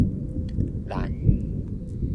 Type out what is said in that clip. ランチ